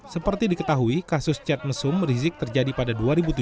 seperti diketahui kasus chat mesum rizik terjadi pada dua ribu tujuh belas